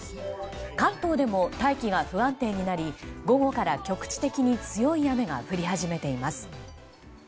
関東でも大気が不安定になり午後から局地的に強い雨が降り始めています。